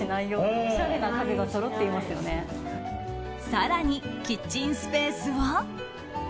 更に、キッチンスペースは。